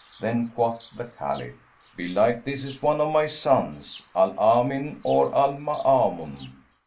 Then quoth the Caliph, "Belike this is one of my sons, Al Amin or Al Maamun."